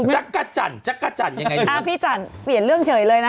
จักรจันจักรจันทร์ยังไงดีอ่าพี่จันเปลี่ยนเรื่องเฉยเลยนะ